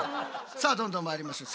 さあどんどんまいりましょう。